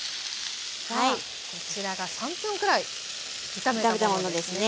さあこちらが３分くらい炒めたものですね。